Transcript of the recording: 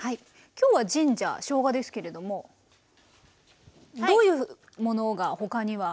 今日はジンジャーしょうがですけれどもどういうものが他には？